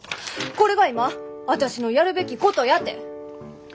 これが今私のやるべきことやて！